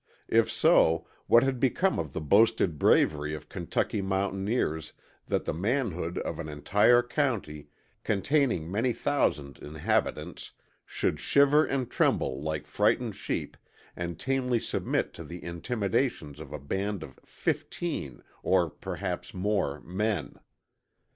If so, what had become of the boasted bravery of Kentucky mountaineers that the manhood of an entire county, containing many thousand inhabitants, should shiver and tremble like frightened sheep and tamely submit to the intimidations of a band of FIFTEEN, or perhaps more, men.